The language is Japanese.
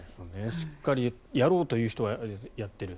しっかりやろうという人はやっている。